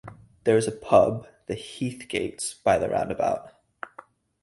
There is a pub, "The Heathgates", by the roundabout.